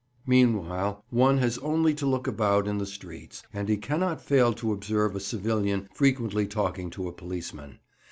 Meanwhile, one has only to look about in the streets, and he cannot fail to observe a civilian frequently talking to a policeman.